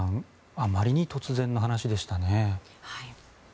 あまりに突然の話でしたね。